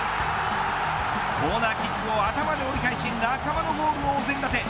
コーナーキックを頭で折り返し仲間のゴールをお膳立て。